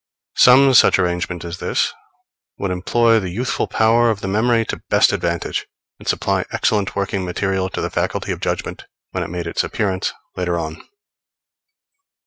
Some such arrangement as this would employ the youthful power of the memory to best advantage, and supply excellent working material to the faculty of judgment, when it made its appearance later on.